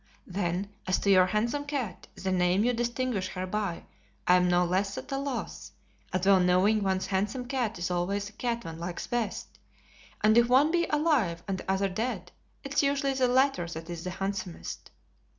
Then, as to your handsome cat, the name you distinguish her by, I am no less at a loss, as well knowing one's handsome cat is always the cat one likes best; or if one be alive and the other dead, it is usually the latter that is the handsomest.